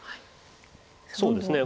そうですね。